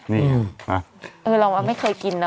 นี่เออลองว่าไม่เคยกินน่ะ